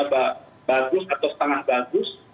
kalau kekuatan ototnya bagus atau sangat bagus